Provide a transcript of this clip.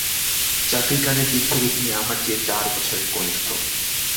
চাকরিকালের দিক থেকে তিনি আমার চেয়ে চার বছরের কনিষ্ঠ।